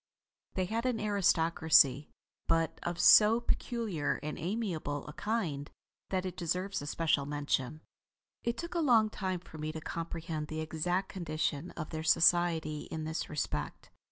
They had an aristocracy; but of so peculiar and amiable a kind that it deserves a special mention. It took a long time for me to comprehend the exact condition of their society in this respect.